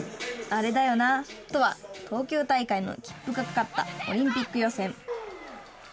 あれだよなとは東京大会の切符がかかったオリンピック予選。